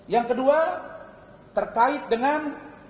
yang kedua terkait dengan